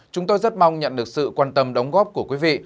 chúng tôi rất mong nhận được sự quan tâm đóng góp của quý vị